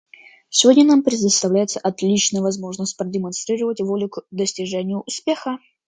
Сегодня нам предоставляется отличная возможность продемонстрировать волю к достижению успеха.